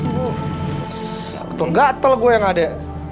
gatel gatel gue yang ada